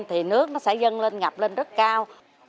thì nước nó sẽ dâng lên ngập lên rất cao